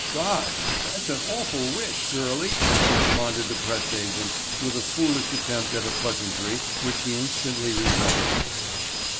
"Gosh, that's an awful wish, girlie," responded the press agent with a foolish attempt at a pleasantry which he instantly regretted.